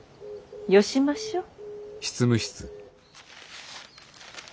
よしましょう。